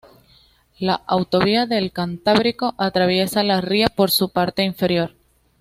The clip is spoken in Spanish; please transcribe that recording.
La autovía del Cantábrico atraviesa la ría por su parte interior.